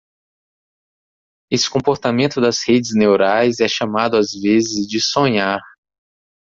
Esse comportamento das redes neurais é chamado às vezes de sonhar.